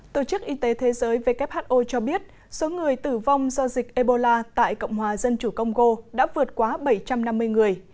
tổ chức y tế thế giới who cho biết số người tử vong do dịch ebola tại cộng hòa dân chủ congo đã vượt quá bảy trăm năm mươi người